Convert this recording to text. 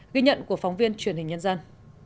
ghi nhận của phóng viên truyền hình nhân dân